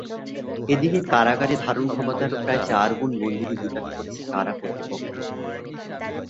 এদিকে কারাগারে ধারণক্ষমতার প্রায় চার গুণ বন্দী নিয়ে বিপাকে পড়েছে কারা কর্তৃপক্ষও।